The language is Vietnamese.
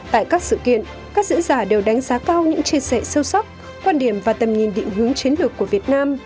tại các sự kiện các diễn giả đều đánh giá cao những chia sẻ sâu sắc quan điểm và tầm nhìn định hướng chiến lược của việt nam